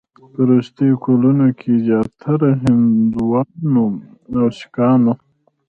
په وروستیو کلونو کې زیاتره هندوانو او سیکانو